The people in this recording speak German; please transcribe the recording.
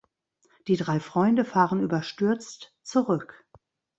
Die drei Freunde fahren überstürzt zurück.